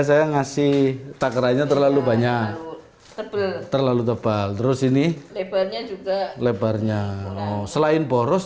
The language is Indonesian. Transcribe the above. saya ngasih takranya terlalu banyak tebal terlalu tebal terus ini lebarnya juga lebarnya selain boros